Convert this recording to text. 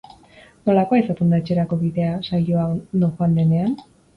Nolakoa izaten da etxerako bidea saioa ondo joan denean?